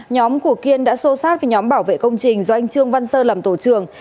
nhóm của kiên đã xô sát với nhóm bảo vệ công trình do anh trương văn sơ làm tổ trường